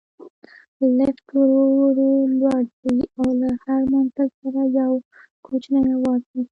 لفټ ورو ورو لوړ ځي او له هر منزل سره یو کوچنی اواز باسي.